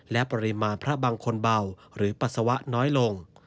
และปริมาณพระบางคนเบาหรือปัสสาวะน้อยลง